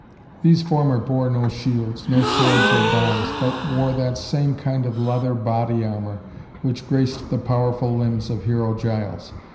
These former bore no shields, no swords or bombs, but wore that same kind of leather body armor which graced the powerful limbs of Hero Giles.